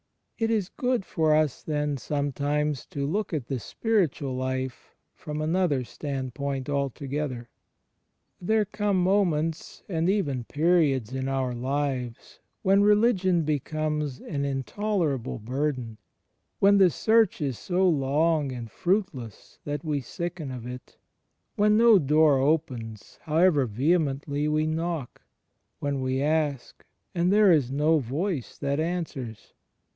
It is good for us then, sometimes, to look at the spiritual life from another standpoint altogether. There come moments and even periods in our lives when relig ion becomes an intolerable burden; when the search is so long and fruitless that we sicken of it; when no door opens, however vehemently we knock; when we ask, and there is no Voice that answers.